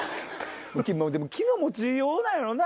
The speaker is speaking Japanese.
でも気の持ちようなんやろな